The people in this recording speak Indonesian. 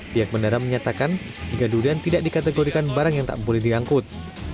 pihak bandara menyatakan hingga durian tidak dikategorikan barang yang tak boleh diangkut